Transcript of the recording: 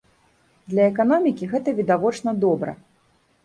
Для эканомікі гэта, відавочна, добра.